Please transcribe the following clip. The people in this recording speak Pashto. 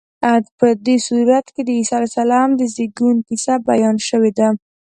په دې سورت کې د عیسی علیه السلام د زېږون کیسه بیان شوې ده.